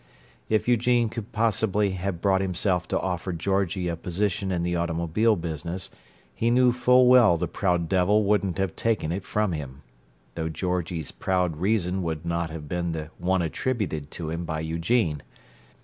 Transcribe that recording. If Eugene could possibly have brought himself to offer Georgie a position in the automobile business, he knew full well the proud devil wouldn't have taken it from him; though Georgie's proud reason would not have been the one attributed to him by Eugene.